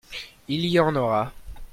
Il y en aura.